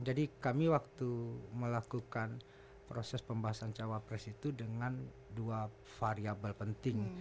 jadi kami waktu melakukan proses pembahasan cawa pres itu dengan dua variable penting